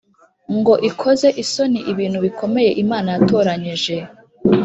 Ngo ikoze isoni ibintu bikomeye u imana yatoranyije